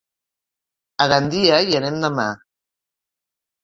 A Gandia hi anem demà.